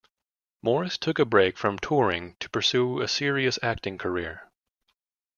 Morris took a break from touring to pursue a serious acting career.